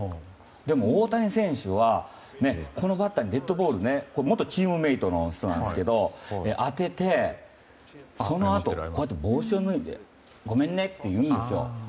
でも、大谷選手はこのバッターに元チームメートの人なんですけど当ててそのあと帽子を脱いでごめんねって言うんですよ。